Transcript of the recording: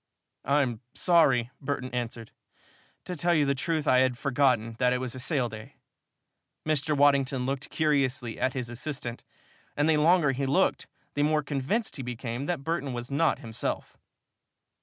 "I'm sorry," Burton answered. "To tell you the truth, I had forgotten that it was a sale day." Mr. Waddington looked curiously at his assistant, and the longer he looked, the more convinced he became that Burton was not himself.